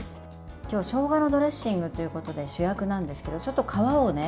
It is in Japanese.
今日、しょうがのドレッシングということで主役なんですけどちょっと皮をね